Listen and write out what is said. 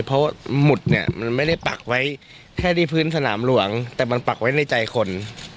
เพราะหมุดเนี่ยมันไม่ได้ปักไว้แค่ที่พื้นสนามหลวงแต่มันปักไว้ในใจคน